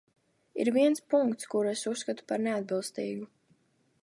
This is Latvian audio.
Ir viens punkts, kuru es uzskatu par neatbilstīgu.